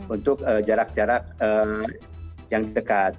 untuk jarak jarak yang dekat